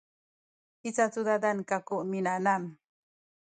i cacudadan kaku minanam